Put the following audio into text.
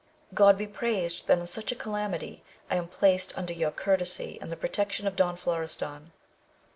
God be praised, that in such a calamity, I am placed under your cour tesy, and the protection of Don Florestan.